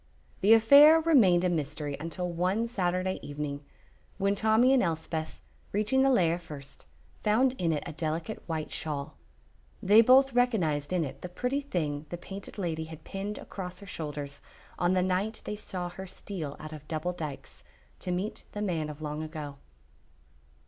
The affair remained a mystery until one Saturday evening, when Tommy and Elspeth, reaching the lair first, found in it a delicate white shawl. They both recognized in it the pretty thing the Painted Lady had pinned across her shoulders on the night they saw her steal out of Double Dykes, to meet the man of long ago.